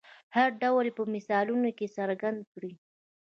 هر ډول یې په مثالونو کې څرګند کړئ.